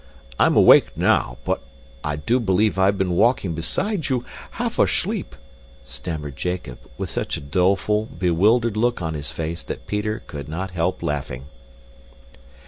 I'm awake now, but I do believe I've been walking beside you half asleep," stammered Jacob, with such a doleful, bewildered look on his face that Peter could not help laughing.